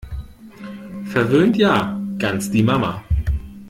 Verwöhnt ja - ganz die Mama!